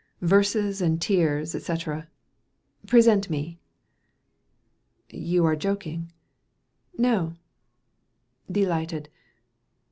Verses and tears et cetera. Present me." —" You are joking." —" No." — "Delighted."